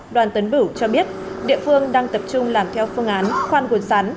đoàn tấn bửu cho biết địa phương đang tập trung làm theo phương án khoan cột sắn